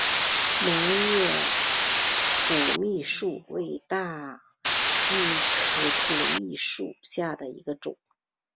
膜叶土蜜树为大戟科土蜜树属下的一个种。